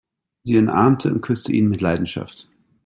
Sie umarmte und küsste ihn mit Leidenschaft.